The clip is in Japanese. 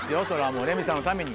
もうレミさんのために。